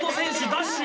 ダッシュ